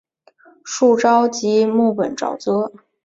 树沼即木本沼泽。